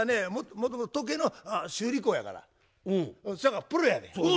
もともと時計の修理工やからそやからプロやねん。